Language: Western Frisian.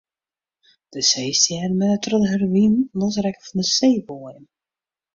De seestjerren binne troch de hurde wyn losrekke fan de seeboaiem.